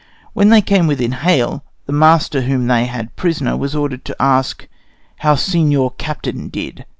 When they came within hail, the master whom they had prisoner was ordered to ask "how Seignior Captain did?"